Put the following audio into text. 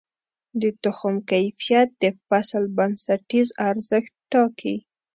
د تخم کیفیت د فصل بنسټیز ارزښت ټاکي.